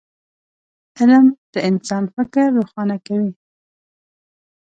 علم د انسان فکر روښانه کوي